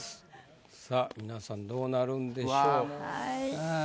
さあ皆さんどうなるんでしょう？